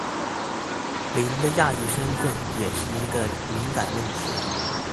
林的亚裔身份也是一个敏感问题。